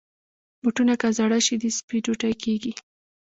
بوټونه که زاړه شي، د سپي ډوډۍ کېږي.